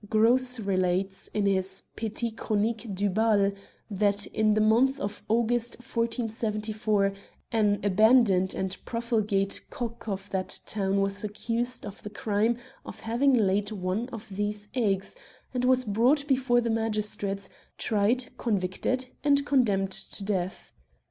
Gross relates, in his Petite Chronique de Bdle, that in the month of August 1474, an abandoned and profligate cock of that town was accused of the crime of having laid one of these eggs, and was brought before the magistrates, tried, convicted, and condemned to death.